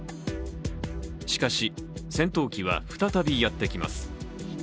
しかし、戦闘機は再びやってきます。